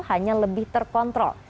hanya lebih terkontrol